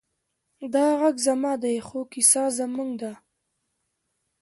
دا غږ زما دی، خو کیسه زموږ ده.